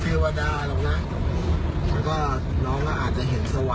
เดี๋ยวจะให้เปิดทางตาเลีล่า